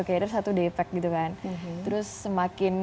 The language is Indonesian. sesaat lagi dalam insight